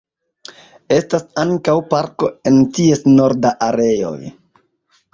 Estas ankaŭ parko en ties norda areoj.